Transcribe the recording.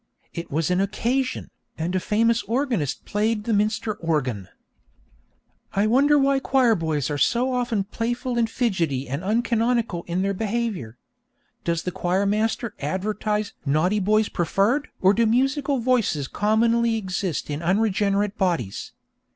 It was an 'occasion,' and a famous organist played the Minster organ. I wonder why choir boys are so often playful and fidgety and uncanonical in behaviour? Does the choirmaster advertise 'Naughty boys preferred,' or do musical voices commonly exist in unregenerate bodies?